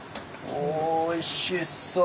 おいしそう！